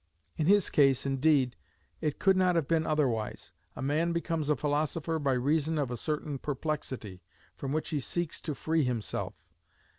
In his case, indeed, it could not have been otherwise. A man becomes a philosopher by reason of a certain perplexity, from which he seeks to free himself.